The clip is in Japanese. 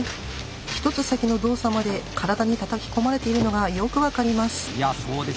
一つ先の動作まで体にたたき込まれているのがよく分かります。